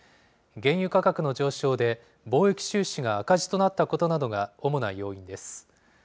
原油価格の上昇で貿易収支が赤字となったことなどが、主な要因です。